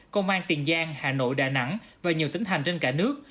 công an tiền giang hà nội đà nẵng và nhiều tỉnh thành trên cả nước